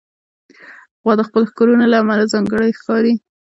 غوا د خپلو ښکرونو له امله ځانګړې ښکاري.